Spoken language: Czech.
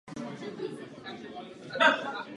Působí jako předseda Kontrolního výboru.